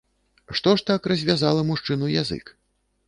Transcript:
Што ж так развязала мужчыну язык?